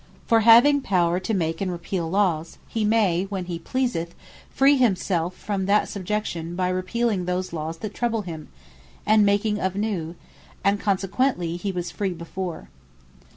For having power to make, and repeale Lawes, he may when he pleaseth, free himselfe from that subjection, by repealing those Lawes that trouble him, and making of new; and consequently he was free before.